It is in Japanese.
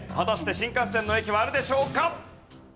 新幹線の駅はあるでしょうか？